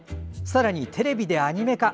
さらに、テレビでアニメ化。